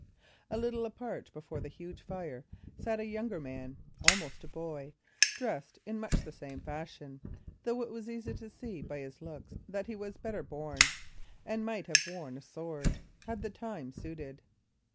A little apart before the huge fire sat a younger man, almost a boy, dressed in much the same fashion, though it was easy to see by his looks that he was better born, and might have worn a sword, had the time suited.